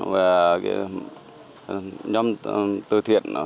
và nhóm tư thiện